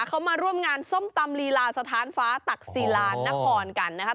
เขามาร่วมงานส้มตำลีลาสถานฟ้าตักศิลานครกันนะครับ